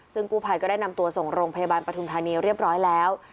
ซึ่งกู้ภัยก็ได้นำตัวส่งโรงพยาบาลปฐุมธานีเรียบร้อยแล้ว